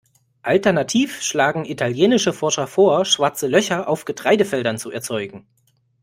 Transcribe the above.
Alternativ schlagen italienische Forscher vor, Schwarze Löcher auf Getreidefeldern zu erzeugen.